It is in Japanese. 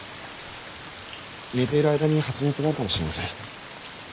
寝ている間に発熱があるかもしれません。